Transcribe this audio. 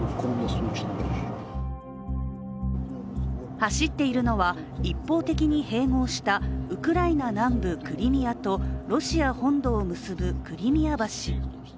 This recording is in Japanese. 走っているのは、一方的に併合したウクライナ南部クリミアとロシア本土を結ぶクリミア橋。